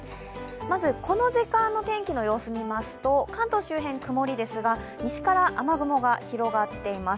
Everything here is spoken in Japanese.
まずこの時間の天気の様子を見ますと関東周辺、曇りですが、西から雨雲が広がっています。